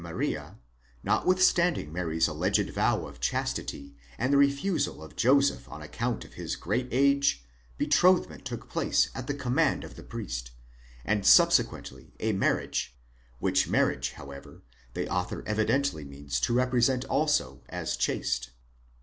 Mariae, notwithstanding Mary's alleged vow of chastity, and the refusal of Joseph on account of his great age, betrothment took place at the command of the priest, and subsequently a marriage—(which marriage, however, the author evidently means to represents also as chaste).